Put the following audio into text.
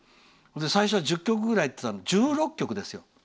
最初は１０曲ぐらいって言ってたのに１６曲ですよ。